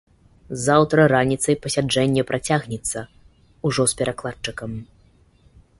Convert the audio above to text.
Заўтра раніцай пасяджэнне працягнецца, ужо з перакладчыкам.